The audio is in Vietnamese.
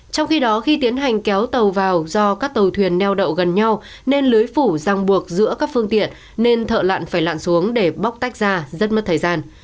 trong khi đó khi tiến hành kéo tàu vào do các tàu thuyền neo đậu gần nhau nên lưới phủ ràng buộc giữa các phương tiện nên thợ lặn phải lặn xuống để bóc tách ra rất mất thời gian